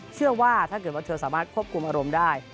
เชื่อว่าถ้าเกิดว่าเธอสามารถควบคุมอารมณ์ได้